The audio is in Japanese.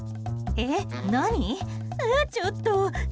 えっ、ちょっと。